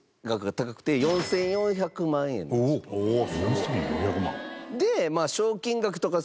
４４００万。